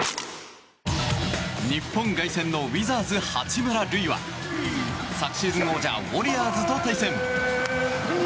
日本凱旋のウィザーズ八村塁は昨シーズン王者、ウォリアーズと対戦。